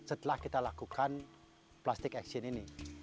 setelah kita lakukan plastic action ini